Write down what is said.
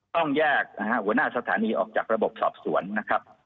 ต้องแยกนะฮะหัวหน้าสถานีออกจากระบบสอบสวนนะครับ